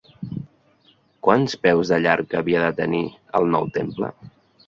Quants peus de llarg havia de tenir el nou temple?